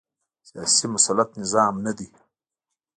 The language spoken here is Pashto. سیاسي مسلط نظام نه دی